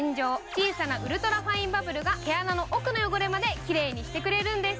小さなウルトラファインバブルが毛穴の奥の汚れまできれいにしてくれるんです。